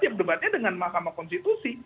dia debatnya dengan mahkamah konstitusi